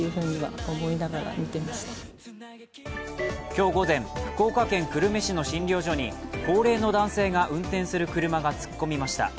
今日午前、福岡県久留米市の診療所に高齢の男性が運転する車が突っ込みました。